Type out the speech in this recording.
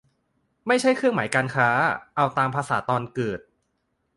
ไม่ใช่เครื่องหมายการค้า เอาตามภาษาตอนเกิด